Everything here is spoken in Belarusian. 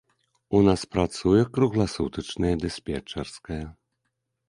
У нас працуе кругласутачная дыспетчарская.